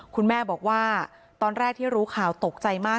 คุณแม่บอกว่าตอนแรกที่รู้ข่าวตกใจมาก